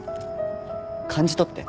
感じ取って。